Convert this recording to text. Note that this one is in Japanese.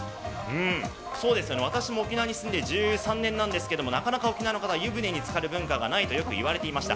私も沖縄に住んで１３年なんですけど、なかなか沖縄の方、湯船につかる文化がないといわれてきました。